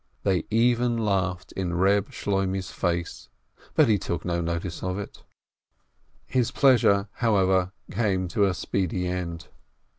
They even laughed in Eeb Shloimeh's face, but he took no notice of it. His pleasure, however, came 'to a speedy end.